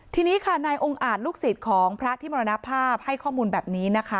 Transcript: ทีนี้ค่ะนายองค์อาจลูกศิษย์ของพระที่มรณภาพให้ข้อมูลแบบนี้นะคะ